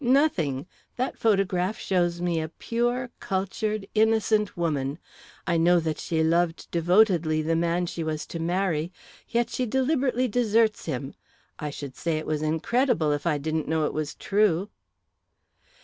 Nothing! That photograph shows me a pure, cultured, innocent woman; I know that she loved devotedly the man she was to marry. Yet she deliberately deserts him. I should say it was incredible, if I didn't know it was true!"